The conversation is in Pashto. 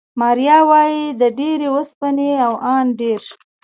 ماریا وايي، د ډېرې اوسپنې او ان ډېر